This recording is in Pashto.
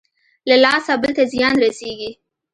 له لاسه بل ته زيان رسېږي.